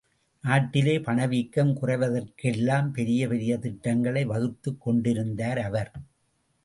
நாட்டிலே பண வீக்கம் குறைவதற்கெல்லாம் பெரிய பெரிய திட்டங்களை வகுத்துக் கொண்டிருந்தார் அவர்.